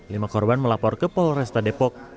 lima korban melapor ke polresta depok